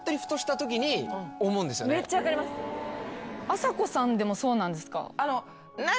あさこさんでもそうなんですか？